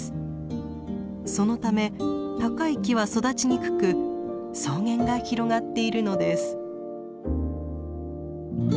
そのため高い木は育ちにくく草原が広がっているのです。